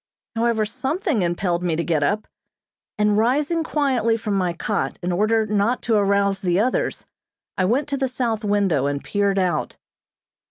However, something impelled me to get up, and, rising quietly from my cot in order not to arouse the others, I went to the south window and peered out.